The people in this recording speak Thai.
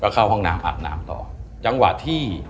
เข้าห้องน้ำอาบน้ำต่อ